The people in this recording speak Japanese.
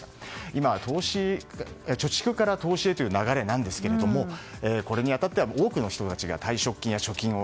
今、貯蓄から投資へという流れですがこれに当たっては多くの人たちが退職金や貯金を